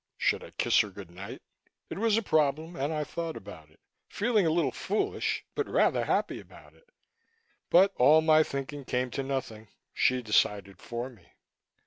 Should I kiss her good night? It was a problem, and I thought about it, feeling a little foolish but rather happy about it. But all my thinking came to nothing. She decided for me.